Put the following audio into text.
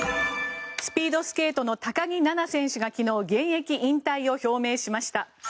スピードスケートの高木菜那選手が昨日現役引退を表明しました。